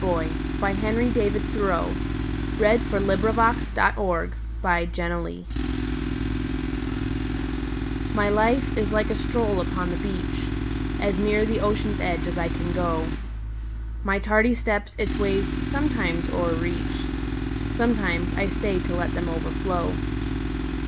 1900. By Henry DavidThoreau 301 The Fisher's Boy MY life is like a stroll upon the beach, As near the ocean's edge as I can go; My tardy steps its waves sometimes o'erreach, Sometimes I stay to let them overflow.